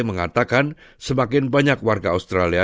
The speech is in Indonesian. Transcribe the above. mengatakan semakin banyak warga australia